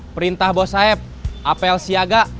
perintah bos saya apel siaga